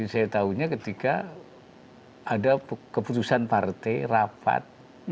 saya tahunya ketika ada keputusan partai rapat